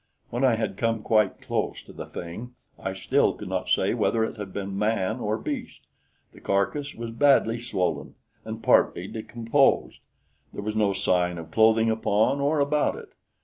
When I had come quite close to the thing, I still could not say whether it had been man or beast. The carcass was badly swollen and partly decomposed. There was no sign of clothing upon or about it.